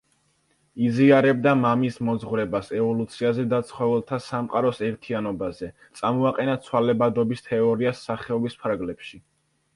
იზიარებდა მამის მოძღვრებას ევოლუციაზე და ცხოველთა სამყაროს ერთიანობაზე: წამოაყენა ცვალებადობის თეორია სახეობის ფარგლებში.